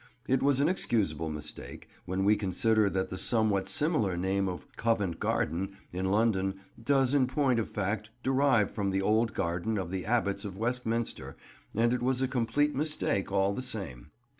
It was an excusable mistake, when we consider that the somewhat similar name of "Covent Garden" in London does in point of fact derive from the old garden of the Abbots of Westminster, but it was a complete mistake, all the same.